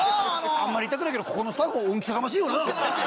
あんまり言いたくないけどここのスタッフ恩着せがましいよな。